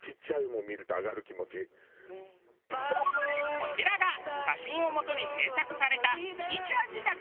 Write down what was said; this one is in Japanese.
こちらが写真をもとに制作されたミニチュア自宅。